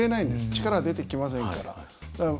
力出てきませんから。